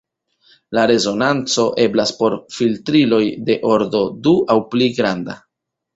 La resonanco eblas por filtriloj de ordo du aŭ pli granda.